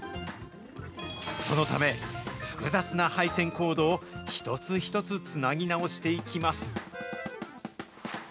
そのため、複雑な配線コードを一つ一つ、つなぎ直していきます。